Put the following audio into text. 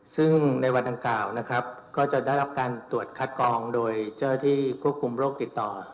ซึ่งในวันทั้ง๙ก็จะได้รับการตรวจคัดกรองโดยเจ้าที่ควบคุมโรคติดต่อ